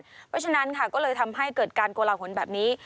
เพราะฉะนั้นค่ะก็เลยทำให้เกิดการโกลาหลแบบนี้